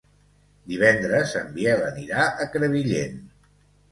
Divendres en Biel anirà a Crevillent.